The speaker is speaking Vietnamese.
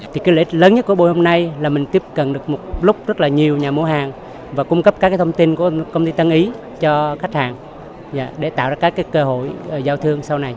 điểm lớn nhất của bộ hôm nay là mình tiếp cận được một lúc rất nhiều nhà mua hàng và cung cấp các thông tin của công ty tân ý cho khách hàng để tạo ra các cơ hội giao thương sau này